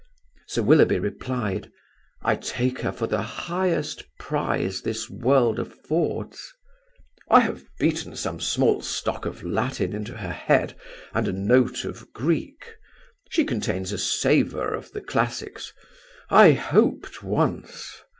Sir Willoughby replied: "I take her for the highest prize this world affords." "I have beaten some small stock of Latin into her head, and a note of Greek. She contains a savour of the classics. I hoped once